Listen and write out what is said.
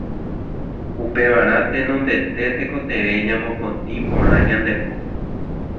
Upevarã tenondete tekotevẽ ñamopotĩ porã ñande po.